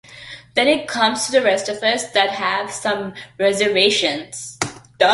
Then it comes to the rest of us that have had some reservations.